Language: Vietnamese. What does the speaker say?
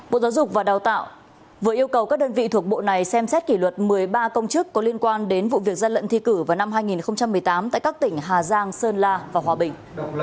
bộ giáo dục và đào tạo vừa yêu cầu các đơn vị thuộc bộ này xem xét kỷ luật một mươi ba công chức có liên quan đến vụ việc gian lận thi cử vào năm hai nghìn một mươi tám tại các tỉnh hà giang sơn la và hòa bình